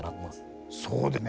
そうですね。